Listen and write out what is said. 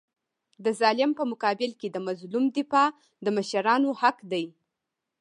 د ظالم په مقابل کي د مظلوم دفاع د مشرانو حق دی.